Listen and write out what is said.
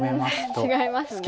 全然違いますね。